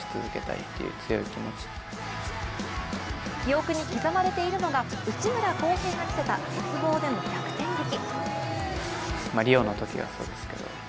記憶に刻まれているのが内村航平が見せた鉄棒での逆転劇。